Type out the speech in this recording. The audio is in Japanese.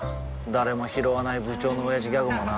誰もひろわない部長のオヤジギャグもな